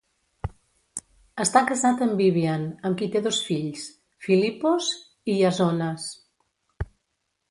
Està casat amb Vivian, amb qui té dos fills: Filippos i Iasonas.